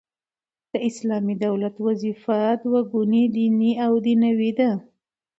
د اسلامي دولت وظیفه دوه ګونې دیني او دنیوې ده.